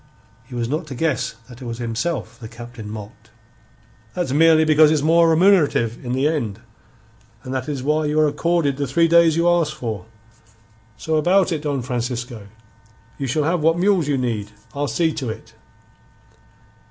He was not to guess that it was himself the Captain mocked. "That's merely because it's more remunerative in the end. And that is why you are accorded the three days you ask for. So about it, Don Francisco. You shall have what mules you need. I'll see to it."